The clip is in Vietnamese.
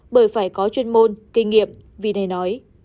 bởi phải có chuyên môn kinh nghiệm vì này nói